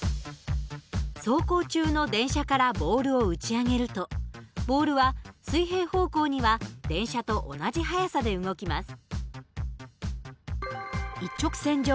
走行中の電車からボールを打ち上げるとボールは水平方向には電車と同じ速さで動きます。